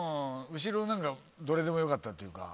後ろ何かどれでもよかったっていうか。